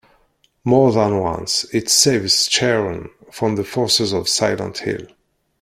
More than once, it saves Sharon from the forces of Silent Hill.